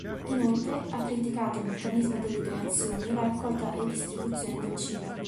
Inoltre ha criticato il meccanismo delle donazioni e la raccolta e distribuzione del cibo.